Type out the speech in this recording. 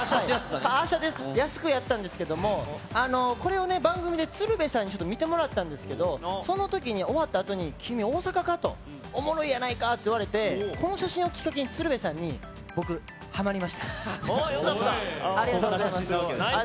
安くやったんですけど、これをね、番組で鶴瓶さんに見てもらったんですけど、そのときに終わったあとに、君、大阪かと、おもろいやないかと言われて、この写真をきっかけに鶴瓶さんに、ありがとうございます。